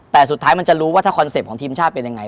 แต่สุดท้ายมันจะรู้ว่าถ้าคอนเซ็ปต์ของทีมชาติเป็นยังไง